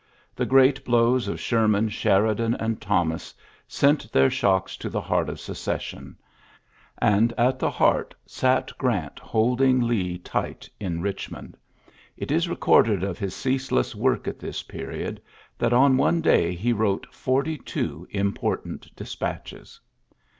The great blow! of Sherman, Sheridan, and Thomas seni ^ ULYSSES S. GEAin? 113 their shocks to the heart of Secession ; and at the heart sat Grant^ holding Lee tight in Bichmond. It is recorded of I his ceaseless work at this period, that on ione day he wrote forty two imi>ortant despatches.